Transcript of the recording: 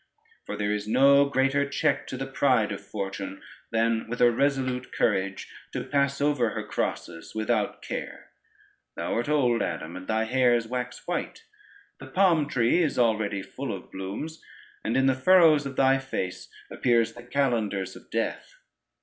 For there is no greater check to the pride of Fortune, than with a resolute courage to pass over her crosses without care. Thou art old, Adam, and thy hairs wax white: the palm tree is already full of blooms, and in the furrows of thy face appears the calendars of death.